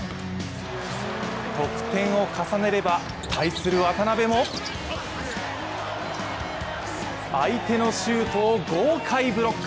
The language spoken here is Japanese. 得点を重ねれば、対する渡邊も相手のシュートを豪快ブロック。